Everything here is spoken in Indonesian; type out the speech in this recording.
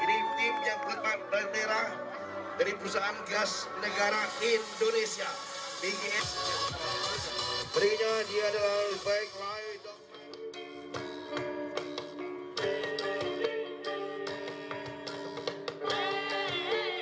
ini tim yang keempat bandera dari perusahaan gas negara indonesia